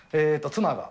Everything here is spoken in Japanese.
妻が。